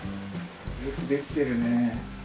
よく出来てるね。